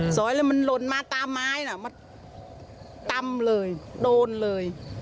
สอยเลยมันลนมาตามไม้ตำเลยโดนเลย